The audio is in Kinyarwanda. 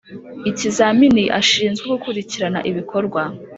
Ikizamini ashinzwe gukurikirana ibikorwa